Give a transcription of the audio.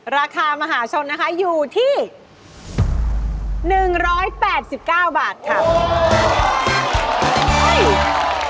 ราคามหาชนนะคะอยู่ที่๑๘๙บาทค่ะ